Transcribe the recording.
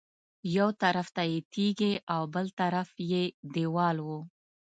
یو طرف یې تیږې او بل طرف یې دېوال و.